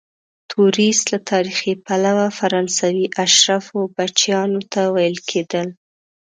توریست له تاریخي پلوه فرانسوي اشرافو بچیانو ته ویل کیدل.